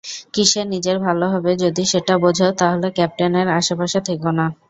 কীসে নিজের ভালো হবে যদি সেটা বোঝো, তাহলে ক্যাপ্টেনের আশেপাশে থেকো না।